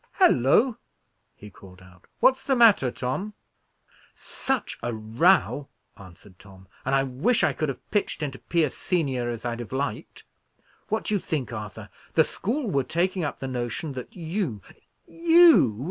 "Hallo!" he called out; "what's the matter, Tom?" "Such a row!" answered Tom. "And I wish I could have pitched into Pierce senior as I'd have liked. What do you think, Arthur? The school were taking up the notion that you you!